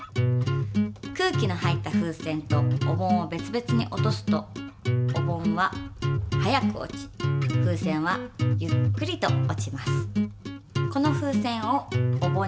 空気の入った風船とお盆を別々に落とすとお盆は早く落ち風船はゆっくりと落ちます。